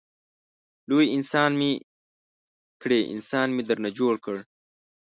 لوی انسان مې کړې انسان مې درنه جوړ کړ.